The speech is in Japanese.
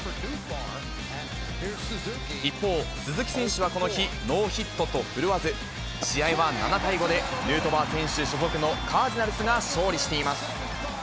一方、鈴木選手はこの日、ノーヒットと振るわず、試合は７対５で、ヌートバー選手所属のカージナルスが勝利しています。